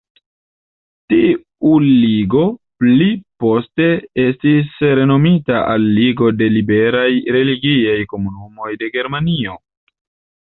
Tiu ligo pli poste estis renomita al "Ligo de Liberaj Religiaj Komunumoj de Germanio".